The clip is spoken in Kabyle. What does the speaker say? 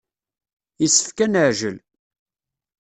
Yessefk ad neɛjel.